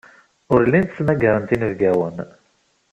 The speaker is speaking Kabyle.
Ur llin ttmagaren inebgawen.